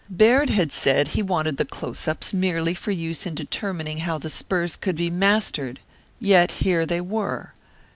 Baird had said he wanted the close ups merely for use in determining how the spurs could be mastered, yet here they were.